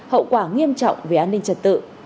hậu quả nghiêm trọng về an ninh trật tự